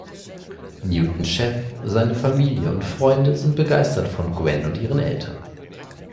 Newtons Chef, seine Familie und Freunde sind begeistert von Gwen und ihren Eltern.